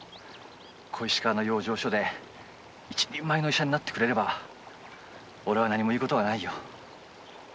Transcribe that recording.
小石川の養生所で一人前の医者になってくれればおれは何も言うことはないよ。